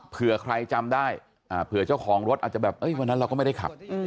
เผื่อใครจำได้เผื่อเจ้าของรถอาจจะแบบวันนั้นเราก็ไม่ได้ขับ